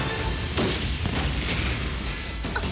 あっ！